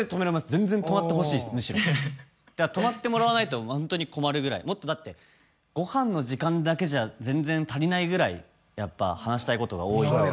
全然泊まってほしいですむしろ泊まってもらわないとホントに困るぐらいもっとだってご飯の時間だけじゃ全然足りないぐらいやっぱ話したいことが多いです